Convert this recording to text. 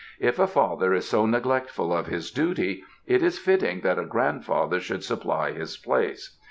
If a father is so neglectful of his duty, it is fitting that a grandfather should supply his place.